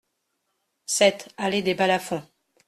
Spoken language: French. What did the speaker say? sept allée des Balafons